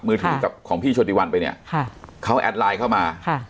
ถึงกับของพี่โชติวันไปเนี่ยค่ะเขาแอดไลน์เข้ามา